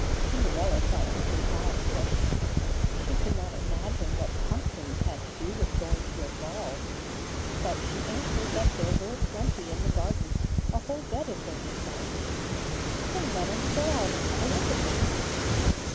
Cinderella thought this an odd question. She could not imagine what pumpkins had to do with going to a ball. But she answered that there were plenty in the garden a whole bed of them in fact. 'Then let us go out and have a look at them.'